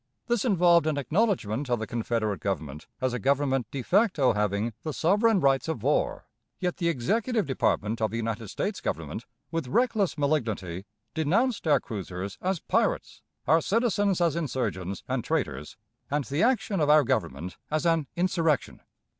This involved an acknowledgment of the Confederate Government as a Government de facto having "the sovereign rights of war," yet the Executive Department of the United States Government, with reckless malignity, denounced our cruisers as "pirates," our citizens as "insurgents" and "traitors," and the action of our Government as an "insurrection."